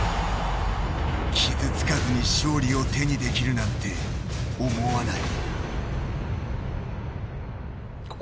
傷つかずに勝利を手にできるなんて思わない。